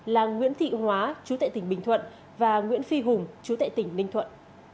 là nguyễn thị hóa chú tại tỉnh bình thuận và nguyễn phi hùng chú tại tỉnh ninh thuận